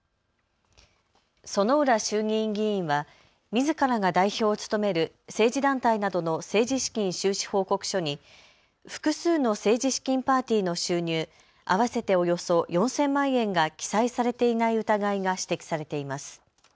薗浦衆議院議員はみずからが代表を務める政治団体などの政治資金収支報告書に複数の政治資金パーティーの収入合わせておよそ４０００万円が記載されていない疑いが指摘されています。